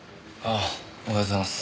あおはようございます。